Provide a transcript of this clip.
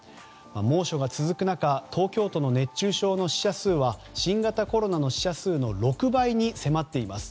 猛暑が続く中東京都の熱中症の死者数は新型コロナの死者数の６倍に迫っています。